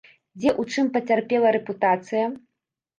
Дзе, у чым пацярпела рэпутацыя?